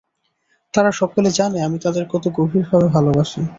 তারা সকলে জানে, আমি তাদের কত গভীরভাবে ভালবাসি।